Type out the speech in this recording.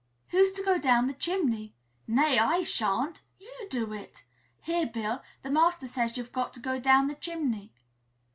Who's to go down the chimney? Nay, I sha'n't! You do it! Here, Bill! The master says you've got to go down the chimney!"